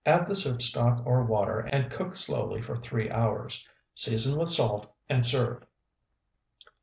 Add the soup stock or water and cook slowly for three hours. Season with salt, and serve.